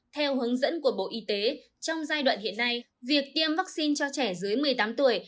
theo hướng dẫn của bộ y tế trong giai đoạn hiện nay việc tiêm vaccine cho trẻ dưới một mươi tám tuổi